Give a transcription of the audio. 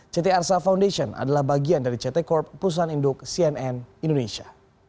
ct arsa foundation adalah bagian dari ct corp perusahaan induk cnn indonesia